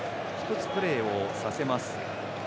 １つプレーさせます。